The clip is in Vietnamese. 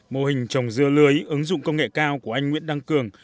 mô hình trồng dưa lưới ứng dụng công nghệ cao của anh nguyễn đăng cường